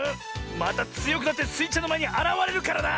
またつよくなってスイちゃんのまえにあらわれるからな！